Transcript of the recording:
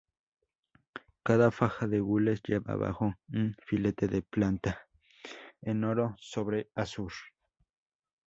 Cada faja de gules lleva abajo un filete de planta, en oro sobre azur.